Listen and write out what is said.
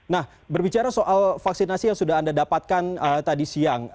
nah berbicara soal vaksinasi yang sudah anda dapatkan tadi siang